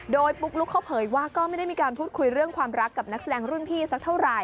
โดยปุ๊กลุ๊กเขาเผยว่าก็ไม่ได้มีการพูดคุยเรื่องความรักกับนักแสดงรุ่นพี่สักเท่าไหร